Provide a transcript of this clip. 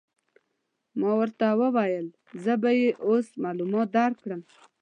ما ورته وویل: زه به يې اوس معلومات در وکړم.